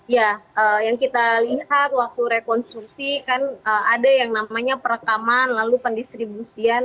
ya yang kita lihat waktu rekonstruksi kan ada yang namanya perekaman lalu pendistribusian